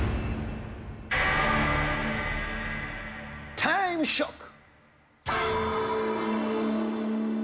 タイムショック！